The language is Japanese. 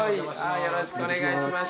よろしくお願いします。